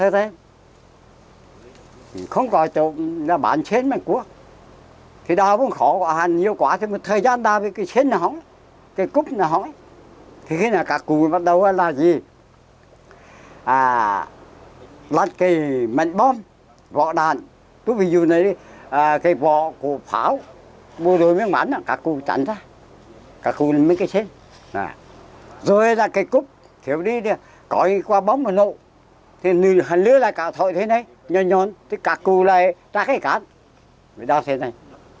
rồi ra cái cúp thiếu đi đi có gì qua bóng mà nộ thì lứa lại cả thội thế này nhòn nhòn thì cả cụ lại ra cái cát rồi đào thế này